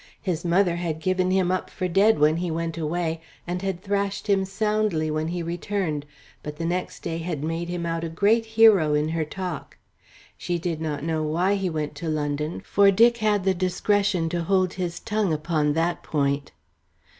His mother had given him up for dead when he went away, and had thrashed him soundly when he returned, but the next day had made him out a great hero in her talk. She did not know why he went to London, for Dick had the discretion to hold his tongue upon that point.